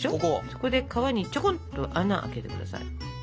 そこで皮にちょこんと穴開けて下さい。